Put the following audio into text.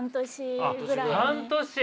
半年！？